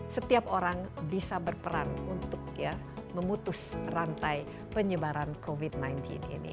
setiap orang bisa berperan untuk memutus rantai penyebaran covid sembilan belas ini